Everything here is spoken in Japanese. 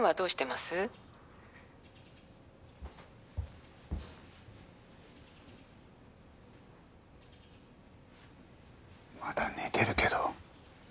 まだ寝てるけど。